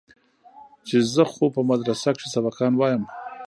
چې زه خو په مدرسه کښې سبقان وايم.